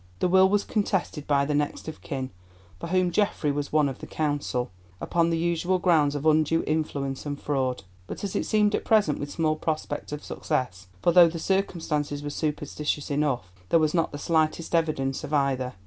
The will was contested by the next of kin, for whom Geoffrey was one of the counsel, upon the usual grounds of undue influence and fraud; but as it seemed at present with small prospect of success, for, though the circumstances were superstitious enough, there was not the slightest evidence of either.